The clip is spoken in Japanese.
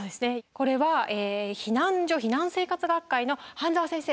これは避難所・避難生活学会の榛沢先生